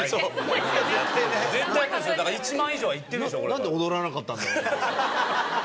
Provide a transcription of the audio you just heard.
何で踊らなかったんだろうな。